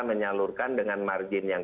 menyalurkan dengan margin yang